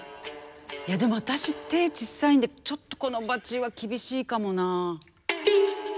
いやでも私手ちっさいんでちょっとこのバチは厳しいかもな。